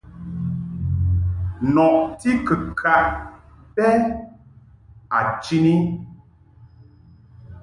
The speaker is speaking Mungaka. Nɔti kɨkaʼ bɛ a chini.